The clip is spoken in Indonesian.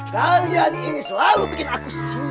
kalian ini selalu bikin aku